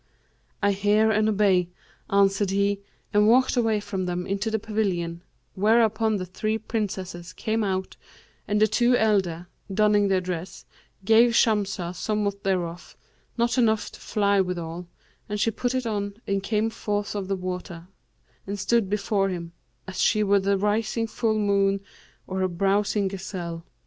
'I hear and obey,' answered he, and walked away from them into the pavilion, whereupon the three Princesses came out and the two elder, donning their dress, gave Shamsah somewhat thereof, not enough to fly withal, and she put it on and came forth of the water, and stood before him, as she were the rising full moon or a browsing gazelle.